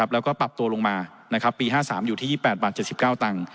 แล้วก็ปรับตัวลงมาปี๕๓อยู่ที่๒๘บาท๗๙ตังค์